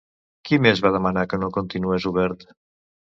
Qui més va demanar que no continués obert?